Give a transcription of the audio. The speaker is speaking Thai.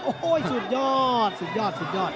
โอ้โหสุดยอดสุดยอดสุดยอด